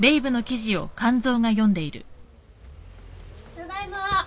ただいま。